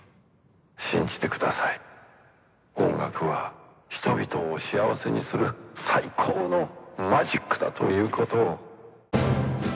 「信じてください」「音楽は人々を幸せにする最高のマジックだということを」